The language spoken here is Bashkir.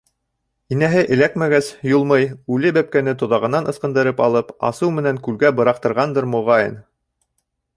Инәһе эләкмәгәс, Юлмый, үле бәпкәне тоҙағынан ысҡындырып алып, асыу менән күлгә быраҡтырғандыр, моғайын.